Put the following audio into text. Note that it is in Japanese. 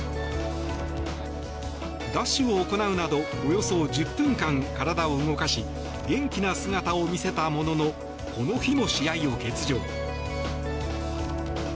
ダッシュを行うなどおよそ１０分間体を動かし元気な姿を見せたもののこの日も試合を欠場。